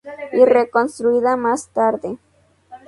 Y reconstruida más tarde.